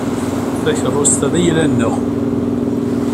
Takeṛṛust-a d ayla-nneɣ.